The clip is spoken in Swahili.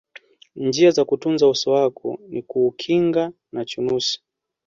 njia za kuutunza uso wako ni kuukinga na chunusi